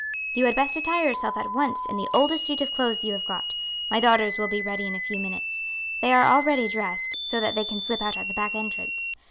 "You had best attire yourself at once in the oldest suit of clothes you have got. My daughters will be ready in a few minutes. They are already dressed, so that they can slip out at the back entrance.